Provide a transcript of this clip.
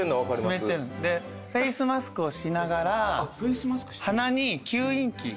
フェースマスクをしながら鼻に吸引器を挿して。